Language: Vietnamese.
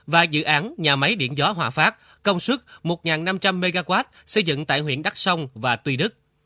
và dự án nhà máy điện gió hòa pháp công suất một năm trăm linh mw xây dựng tại huyện đắk sông và tuy đức